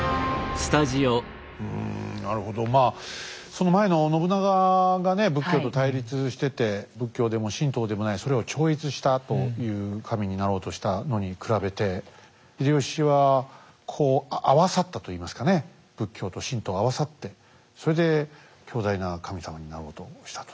うんなるほどまあその前の信長がね仏教と対立してて仏教でも神道でもないそれを超越したという神になろうとしたのに比べて秀吉はこう合わさったといいますかね仏教と神道合わさってそれで強大な神様になろうとしたという。